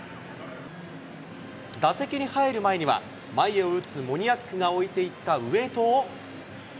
打席に入る前には、前を打つモニアックが置いていったウエートを。